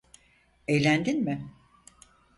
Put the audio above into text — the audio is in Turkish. Eğlendin mi?